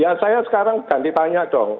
ya saya sekarang ganti tanya dong